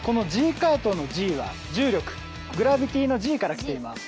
ＫＡＲＴのＧは重力、グラビティーのＧからきています。